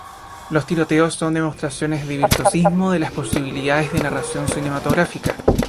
Los tiroteos son demostraciones de virtuosismo de las posibilidades de narración cinematográfica.